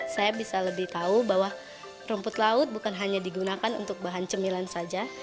saya bisa lebih tahu bahwa rumput laut bukan hanya digunakan untuk bahan cemilan saja